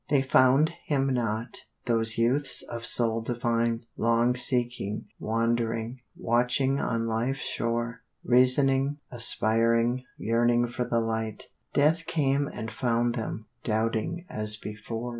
They found Him not, those youths of soul divine, Long seeking, wandering, watching on life's shore Reasoning, aspiring, yearning for the light, Death came and found them doubting as before.